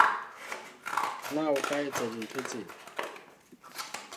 Na o ka etsa dintho tsena?